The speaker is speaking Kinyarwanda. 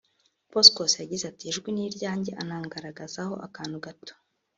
Poscos yagize ati “Ijwi ni iryanjye anangaragazaho akantu gato